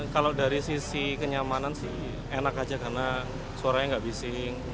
kalau dari sisi kenyamanan sih enak aja karena suaranya nggak bising